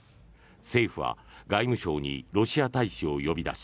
政府は外務省にロシア大使を呼び出し